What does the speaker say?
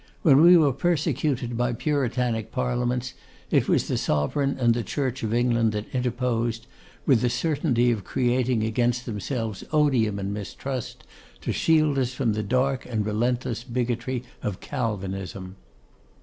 When we were persecuted by Puritanic Parliaments, it was the Sovereign and the Church of England that interposed, with the certainty of creating against themselves odium and mistrust, to shield us from the dark and relentless bigotry of Calvinism.